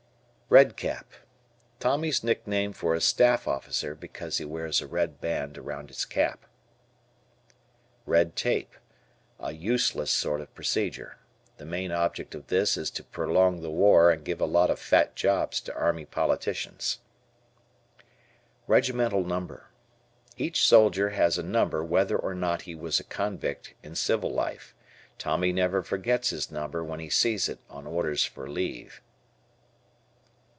"Red Cap." Tommy's nickname for a Staff Officer because he wears a red band around his cap. Red Tape. A useless sort of procedure. The main object of this is to prolong the war and give a lot of fat jobs to Army politicians. Regimental Number. Each soldier has a number whether or not he was a convict in civil life. Tommy never forgets his number when he sees it on "orders for leave."